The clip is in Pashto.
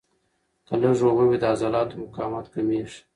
که لږ اوبه وي، د عضلاتو مقاومت کمېږي.